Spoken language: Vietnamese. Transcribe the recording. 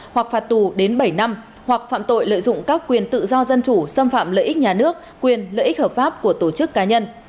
hoặc phạt tù đến bảy năm hoặc phạm tội lợi dụng các quyền tự do dân chủ xâm phạm lợi ích nhà nước quyền lợi ích hợp pháp của tổ chức cá nhân